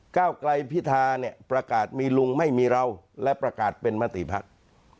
ก้าวไกลพิธาเนี่ยประกาศมีลุงไม่มีเราและประกาศเป็นมติภักดิ์